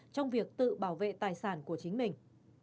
trong việc tự bảo vệ tài sản của chính mình